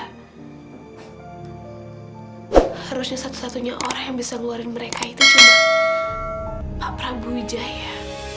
harusnya satu satunya orang yang bisa ngeluarin mereka itu cuma pak prabu wijaya